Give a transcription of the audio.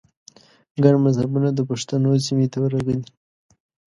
ګڼ مذهبونه د پښتنو سیمې ته ورغلي